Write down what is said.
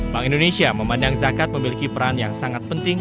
bank indonesia memandang zakat memiliki peran yang sangat penting